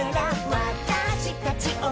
「わたしたちを」